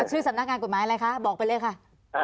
ชื่อสำนักงานกฎหมายอะไรคะบอกไปเลยค่ะ